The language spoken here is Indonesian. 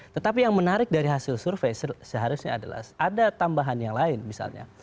tetapi yang menarik dari hasil survei seharusnya adalah ada tambahan yang lain misalnya